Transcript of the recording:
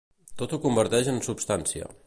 Tot ho converteix en substància.